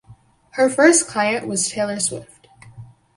Her first client was Taylor Swift.